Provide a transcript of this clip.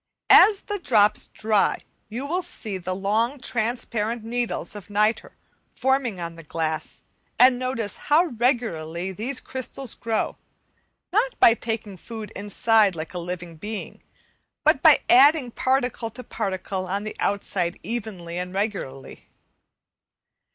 As the drops dry you will see the long transparent needles of nitre forming on the glass, and notice how regularly these crystals grow, not by taking food inside like living beings, but by adding particle to particle on the outside evenly and regularly.